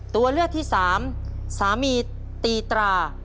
ตัวเลือกที่สามสามีตีตรา